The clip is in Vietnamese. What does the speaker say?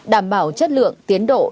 đảm bảo chất lượng tiến độ